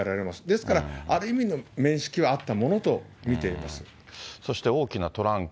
ですから、ある意味の面識はあったものと見ていそして大きなトランク。